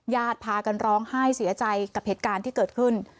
ญาติพากันร้องไห้เสียใจกับเหตุการณ์ที่เกิดขึ้น